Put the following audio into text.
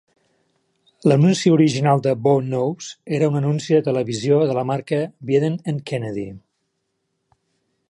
L'anunci original de "Bo Knows" era un anunci de televisió de la marca Wieden and Kennedy.